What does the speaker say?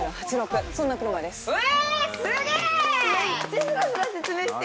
そんな車ですえ